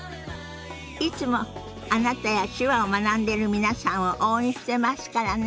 いつもあなたや手話を学んでる皆さんを応援してますからね。